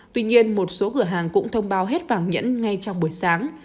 tuy nhiên một số cửa hàng cũng thông báo hết vàng nhẫn ngay trong buổi sáng